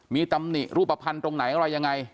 มีตำหนิรูปภัณฑ์ตรงไหนอะไรยังไง